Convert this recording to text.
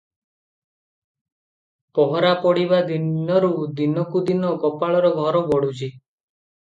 ପହରା ପଡ଼ିବା ଦିନରୁ ଦିନକୁ ଦିନ ଗୋପାଳର ଘର ବଢ଼ୁଛି ।